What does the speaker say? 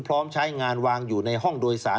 พร้อมใช้งานวางอยู่ในห้องโดยสาร